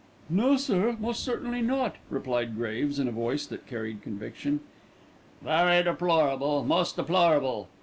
"No, sir, most certainly not," replied Graves, in a voice that carried conviction. "Very deplorable, most deplorable.